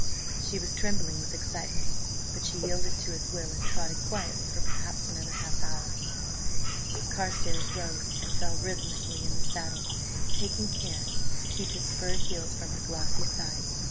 She was trembling with excitement, but she yielded to his will and trotted quietly for perhaps another half hour. Carstares rose and fell rhythmically in the saddle, taking care to keep his spurred heels from her glossy sides.